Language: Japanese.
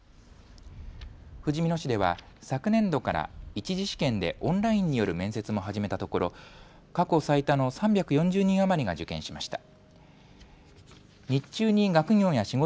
ふじみ野市では昨年度から１次試験でオンラインによる面接も始めたところ過去最多の３４０人余りが受験しました。